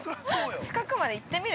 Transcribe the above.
深くまで行ってみる？